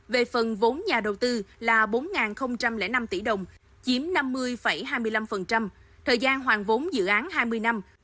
về phần vốn nhà đầu tư là bốn năm tỷ đồng chiếm năm mươi hai mươi năm thời gian hoàn vốn dự án hai mươi năm